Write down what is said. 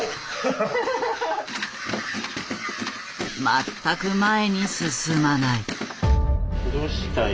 全く前に進まない。